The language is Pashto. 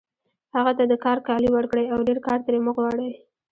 هغه ته د کار کالي ورکړئ او ډېر کار ترې مه غواړئ